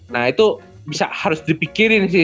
nah itu bisa harus dipikirin sih